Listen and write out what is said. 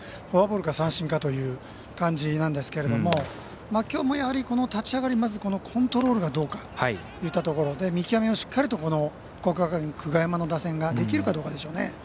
フォアボールか三振かという感じなんですけどきょうもやはり立ち上がりまずコントロールがどうかといったところで見極めをしっかりと国学院久我山の打線ができるかどうかでしょうね。